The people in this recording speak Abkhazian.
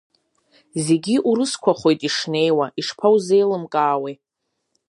Зегьы урысқәахоит ишнеиуа, ишԥаузеилымкаауеи?